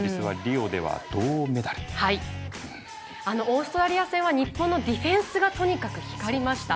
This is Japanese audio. オーストラリア戦は日本のディフェンスがとにかく光りました。